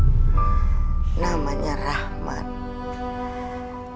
dia mempunyai kemampuan untuk berjalan ke tempat yang terbaik